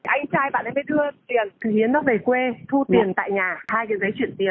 anh trai bạn ấy phải thưa tiền hiến nó về quê thu tiền tại nhà hai cái giấy chuyển tiền